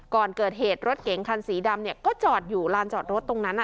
ก่อนเกิดเหตุรถเก๋งคันสีดำเนี่ยก็จอดอยู่ลานจอดรถตรงนั้น